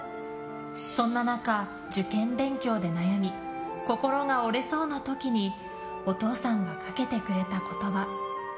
そんな中、受験勉強で悩み心が折れそうな時にお父さんがかけてくれた言葉。